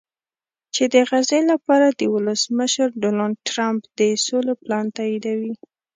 چې د غزې لپاره د ولسمشر ډونالډټرمپ د سولې پلان تاییدوي